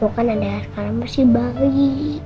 bukan anda harus balik